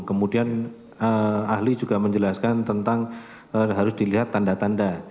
kemudian ahli juga menjelaskan tentang harus dilihat tanda tanda